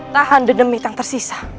tahan demi yang tersisa